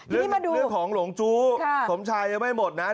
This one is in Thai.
เรื่องของหลงจู้สมชายยังไม่หมดนะ